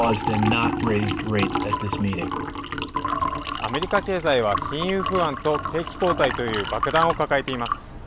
アメリカ経済は金融不安と景気後退という爆弾を抱えています。